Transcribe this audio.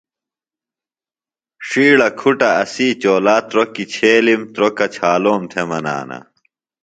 ݜیڑہ کُھٹہ اسی چولا تروکیۡ چھیلِم تروۡکہ چھالوم تھےۡ منانہ